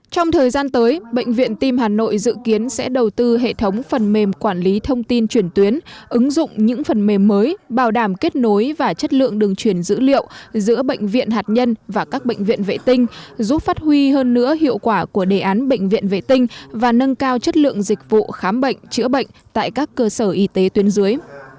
trong thời gian tới bệnh viện tim hà nội dự kiến sẽ đầu tư hệ thống phần mềm quản lý thông tin chuyển tuyến ứng dụng những phần mềm mới bảo đảm kết nối và chất lượng đường chuyển dữ liệu giữa bệnh viện hạt nhân và các bệnh viện vệ tinh giúp phát huy hơn nữa hiệu quả của đề án bệnh viện vệ tinh và nâng cao chất lượng dịch vụ khám bệnh chữa bệnh tại các cơ sở y tế tuyến dưới